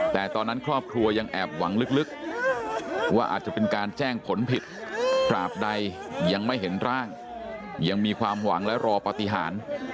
แต่ตอนนั้นครอบครัวยังแอบหวังลึกว่าอาจจะเป็นการแจ้งผลผิดตราบใดยังไม่เห็นร่างยังมีความหวังและรอปฏิหาร